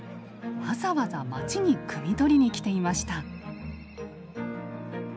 わざわざ町にくみ取りに来ていました。